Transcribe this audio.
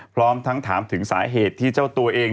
พร้อมทั้งถามถึงสาเหตุที่เจ้าตัวเอง